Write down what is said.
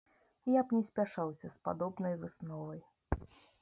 Я б не спяшаўся з падобнай высновай.